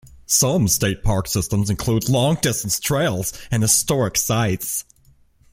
Some state park systems include long-distance trails and historic sites.